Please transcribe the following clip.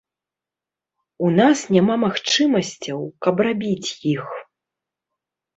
У нас няма магчымасцяў, каб рабіць іх.